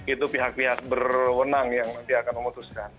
itu pihak pihak berwenang yang nanti akan memutuskan